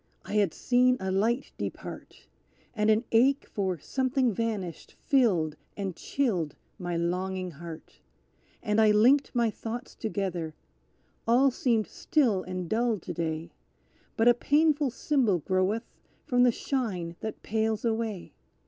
I had seen a light depart, And an ache for something vanished filled and chilled my longing heart, And I linked my thoughts together "All seemed still and dull to day, But a painful symbol groweth from the shine that pales away!